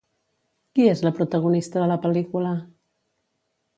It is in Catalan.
Qui és la protagonista de la pel·lícula?